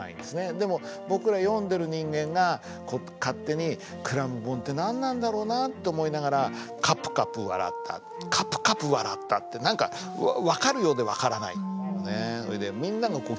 でも僕ら読んでる人間が勝手にクラムボンってなんなんだろうなと思いながら「かぷかぷわらった」「かぷかぷわらった」って何か分かるようで分からない。